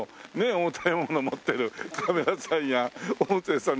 重たいもの持ってるカメラさんや音声さん